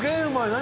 何？